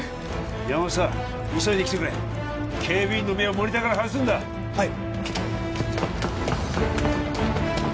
山本さん急いで来てくれ警備員の目をモニターから外すんだはい